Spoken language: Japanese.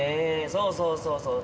そうそうそうそう。